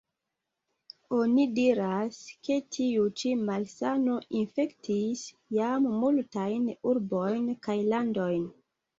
Oni diras, ke tiu ĉi malsano infektis jam multajn urbojn kaj landojn.